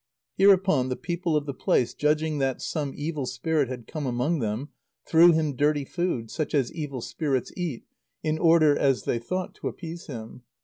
Hereupon the people of the place, judging that some evil spirit had come among them, threw him dirty food, such as evil spirits eat, in order, as they thought, to appease him.